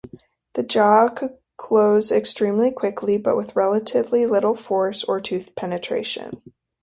The jaw could close extremely quickly, but with relatively little force or tooth penetration.